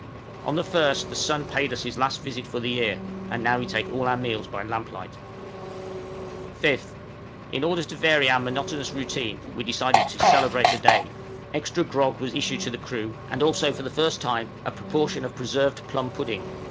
On the 1st the sun paid us his last visit for the year, and now we take all our meals by lamplight. {GUY FAWKES' DAY.} 5th. In order to vary our monotonous routine, we determined to celebrate the day; extra grog was issued to the crew, and also for the first time a proportion of preserved plum pudding.